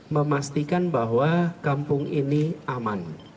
memastikan bahwa kampung ini aman